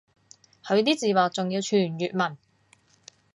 佢啲字幕仲要全粵文